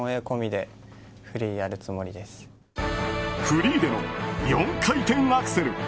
フリーでの４回転アクセル。